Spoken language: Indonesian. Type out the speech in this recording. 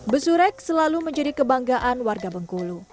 besurek selalu menjadi kebanggaan warga bengkulu